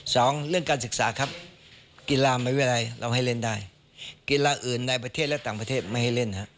สองเรื่องการศึกษาครับกีฬามหาวิทยาลัยเราให้เล่นได้กีฬาอื่นในประเทศและต่างประเทศไม่ให้เล่นฮะ